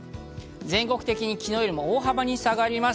全国的に昨日より大幅に下がります。